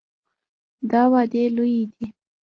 دا وعدې لویې دي.